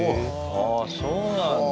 ああ、そうなんだ。